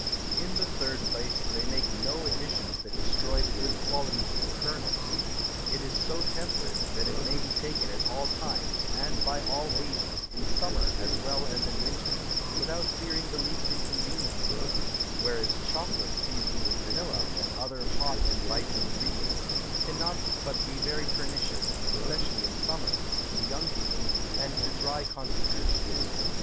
In the third place, they make no Additions that destroy the good Qualities of the Kernels; it is so temperate, that it may be taken at all Times, and by all Ages, in Summer as well as in Winter, without fearing the least Inconveniency: Whereas Chocolate season'd with Vanilla, and other hot and biting Ingredients, cannot but be very pernicious, especially in Summer, to young People, and to dry Constitutions.